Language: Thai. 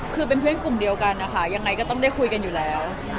คือเป็นเพื่อนกลุ่มเดียวกันนะคะยังไงก็ต้องได้คุยกันอยู่แล้ว